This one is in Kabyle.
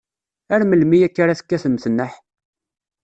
Ar melmi akka ara tekkatemt nneḥ?